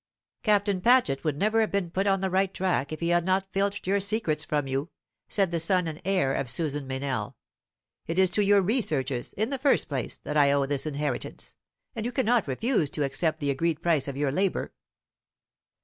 "Captain Paget would never have been put on the right track if he had not filched your secrets from you," said the son and heir of Susan Meynell. "It is to your researches, in the first place, that I owe this inheritance; and you cannot refuse to accept the agreed price of your labour."